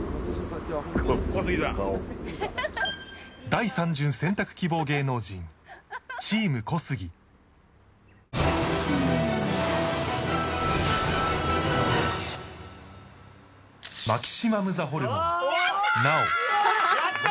第３巡選択希望芸能人チーム小杉やった！